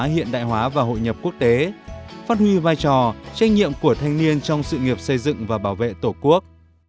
hiện đại hóa và hội nhập quốc tế phát huy vai trò trách nhiệm của thanh niên trong sự nghiệp xây dựng và bảo vệ tổ quốc